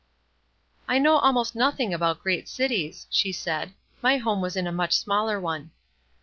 "I know almost nothing about great cities," she said; "my home was in a much smaller one."